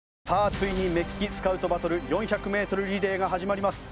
ついに目利きスカウトバトル４００メートルリレーが始まります。